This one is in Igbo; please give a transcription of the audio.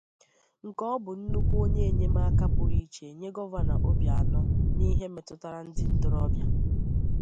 nke ọ bụ nnukwu onye enyemaka pụrụ iche nye Gọvanọ Obianọ n'ihe metụtara ndị ntorobịa